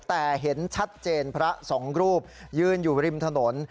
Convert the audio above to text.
แต่เห็นชัดเจนพระสองรูปยืนอยู่ริมถนน